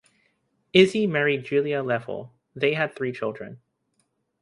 Izzy married Julia Leffel; they had three children.